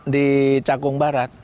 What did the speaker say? di cakung barat